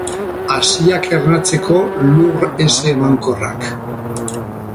Haziak ernatzeko lur heze emankorrak.